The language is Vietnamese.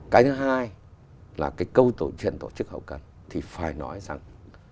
cái thứ hai là cái câu chuyện tổ chức hậu cận thì phải nói rằng